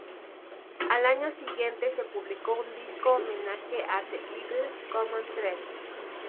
Al año siguiente se publicó un disco-homenaje a The Eagles, ""Common Thread"".